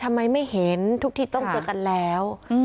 ทำไมไม่เห็นทุกที่ต้องเจอกันแล้ว